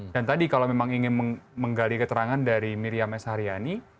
dan tadi kalau memang ingin menggali keterangan dari miriam s haryani